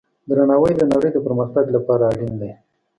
درناوی د نړۍ د پرمختګ لپاره اړین دی.